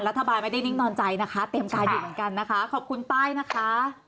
รัฐบาลไม่ได้นิ่งนอนใจนะคะเต็มกายเด็ดเหมือนกันขอบคุณป้ายนะคะ